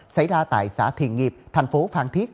xảy ra tại xã thiền nghiệp thành phố phan thiết